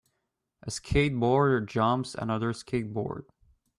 A skateboarder jumps another skateboard.